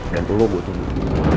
dan dulu gue tunggu